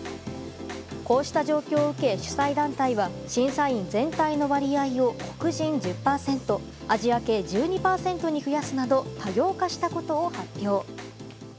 こうした状況を受け、主催団体は審査員全体の割合を黒人１０％アジア系１２％に増やすなど多様化したことを発表。